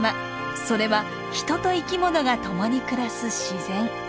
それは人と生き物がともに暮らす自然。